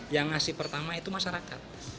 yang ngasih pertama itu masyarakat